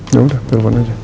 yaudah telfon aja